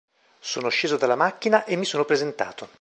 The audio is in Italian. Sono sceso dalla macchina e mi sono presentato.